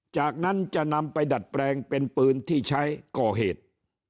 จากนั้นจะนำไปดัดแปลงเป็นปืนที่ใช้ก่อเหตุ